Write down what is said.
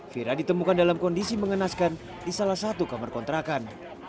fira ditemukan dalam kondisi mengenaskan di salah satu kamar kontrakan